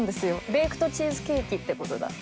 ベイクドチーズケーキって事だ。